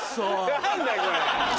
何だこれ。